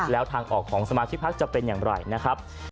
แล้วทางออกของสมาชิกพักจะเป็นอย่างไรนะครับ